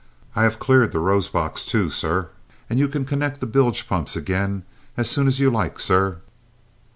I have cleared the rose box, too, sir, and you can connect the bilge pumps again as soon as you like, sir."